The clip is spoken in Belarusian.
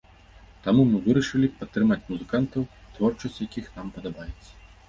Таму мы вырашылі падтрымаць музыкантаў, творчасць якіх нам падабаецца.